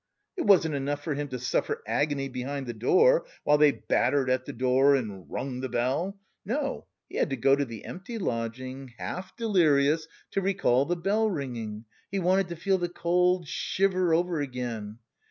It wasn't enough for him to suffer agony behind the door while they battered at the door and rung the bell, no, he had to go to the empty lodging, half delirious, to recall the bell ringing, he wanted to feel the cold shiver over again....